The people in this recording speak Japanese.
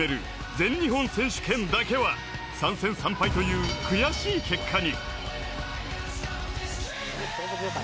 全日本選手権だけは３戦３敗という悔しい結果に。